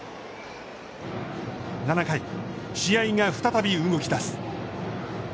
７回、試合が再び動き出す。